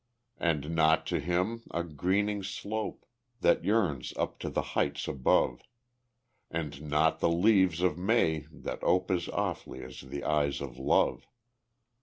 And naught to him a greening slope, That yearns up to the heights above, And naught the leaves of May, that ope As softly as the eyes of love.